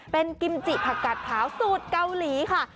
เป็นกิมจิผักกัดขาวสูตรเกาหลีค่ะ